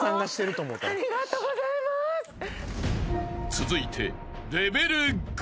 ［続いて］